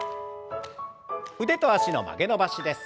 腕と脚の曲げ伸ばしです。